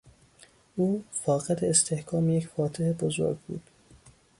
او فاقد استحکام یک فاتح بزرگ بود.